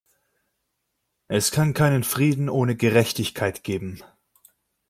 Es kann keinen Frieden ohne Gerechtigkeit geben.